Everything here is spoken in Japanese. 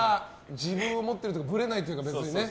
自分を持ってるというかぶれないというかね。